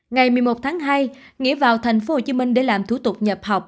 ngày một mươi một tháng hai nghĩa vào tp hcm để làm thủ tục nhập học